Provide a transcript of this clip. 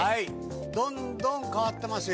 どんどん変わってますよ。